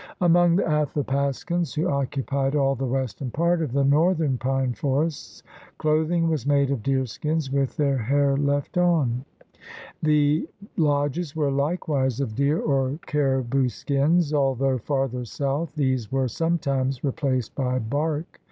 Among the Athapascans who occupied all the western part of the northern pine forests, clothing was made of deerskins with the hair left on. The 128 THE RED MAN'S CONTINENT lodges were likewise of deer or caribou skins, nl though farther south these were sometimes re placed by bark.